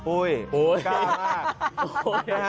โอ้ยค่ามาก